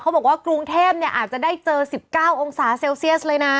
บอกว่ากรุงเทพเนี่ยอาจจะได้เจอ๑๙องศาเซลเซียสเลยนะ